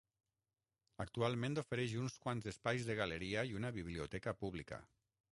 Actualment ofereix uns quants espais de galeria i una biblioteca pública.